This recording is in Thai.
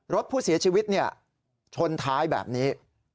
รถผู้เสียชีวิตชนท้ายแบบนี้